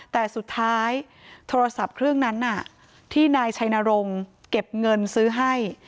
แต่สุดท้ายโทรศัพท์เครื่องนั้นที่นายชัยนรงค์เก็บเงินซื้อให้